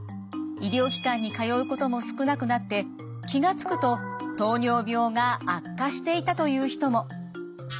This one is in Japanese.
医療機関に通うことも少なくなって気が付くと糖尿病が悪化していたという人も。